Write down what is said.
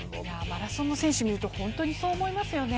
マラソンの選手を見ると、本当にそう思いますよね。